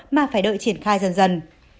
mà phải đợi triển khai dần dần